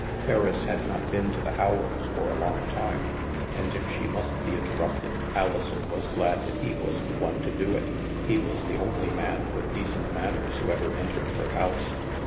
Ferriss had not been to the Howlands' for a long time and, if she must be interrupted, Alison was glad that he was the one to do it. He was the only man with decent manners who ever entered her house.